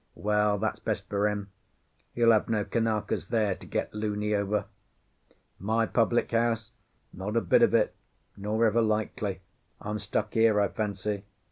Well, that's best for him; he'll have no Kanakas there to get luny over. My public house? Not a bit of it, nor ever likely. I'm stuck here, I fancy.